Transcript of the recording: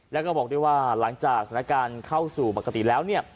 แล้วก็บอกด้วยว่าหลังจากสถานการณ์เข้าสู่ปกติแล้วเนี่ย